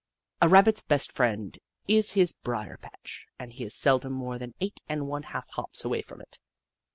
A Rabbit's best friend is his brier patch and he is seldom more than eicrht and one half hops away from it.